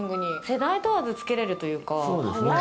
世代を問わず、つけられるというか。